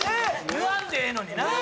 言わんでええのにな。